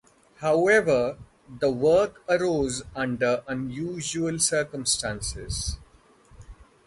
However, the work arose under unusual circumstances.